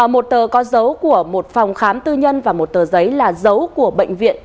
một tờ có dấu của một phòng khám tư nhân và một tờ giấy là dấu của bệnh viện